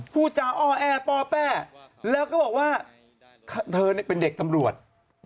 พูดจาอ้อแอป้อแป้แล้วก็บอกว่าเธอเป็นเด็กตำรวจ